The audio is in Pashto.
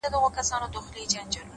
پوهه د ذهن تیاره لارې روښانوي.